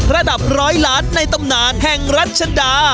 ระดับร้อยล้านในตำนานแห่งรัชดา